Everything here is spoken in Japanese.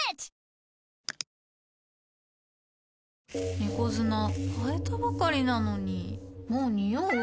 猫砂替えたばかりなのにもうニオう？